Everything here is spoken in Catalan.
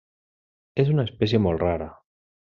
És una espècie molt rara.